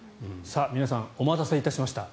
皆さんお待たせいたしました。